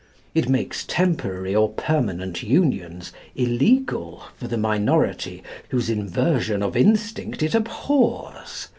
It makes temporary or permanent unions illegal for the minority whose inversion of instinct it abhors.